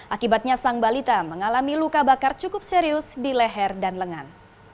akibatnya sang balita mengalami luka bakar cukup serius di leher dan lengan